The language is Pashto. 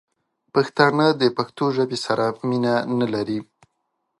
پښتانه دپښتو ژبې سره مینه نه لري